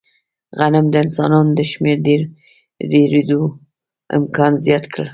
غنم د انسانانو د شمېر ډېرېدو امکان زیات کړ.